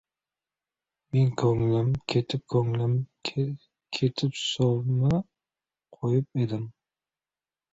Men ko‘nglim ketib-ko‘nglim ketib sovchi qo‘yib edim.